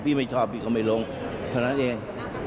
พี่ไม่ชอบก็ไม่ลงเพราะนั้นเอง